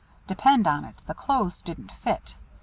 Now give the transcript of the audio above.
Depend upon it, the clothes didn't fit.